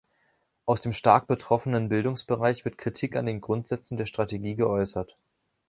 Aus dem stark betroffenen Bildungsbereich wird Kritik an den Grundsätzen der Strategie geäußert.